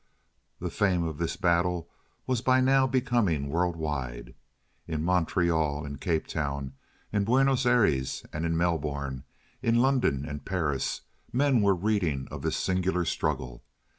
The fame of this battle was by now becoming world wide. In Montreal, in Cape Town, in Buenos Ayres and Melbourne, in London and Paris, men were reading of this singular struggle.